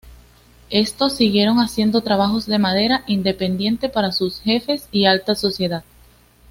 Estos siguieron haciendo trabajos de manera independiente para sus jefes y la alta sociedad.